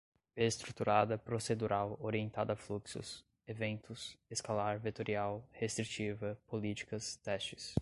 estruturada, procedural, orientada a fluxos, eventos, escalar, vetorial, restritiva, políticas, testes